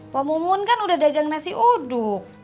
pak mumun kan udah dagang nasi uduk